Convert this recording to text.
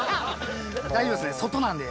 大丈夫ですね外なんで。